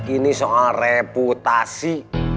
ini soal reputasi